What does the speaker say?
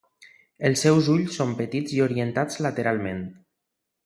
Els seus ulls són petits i orientats lateralment.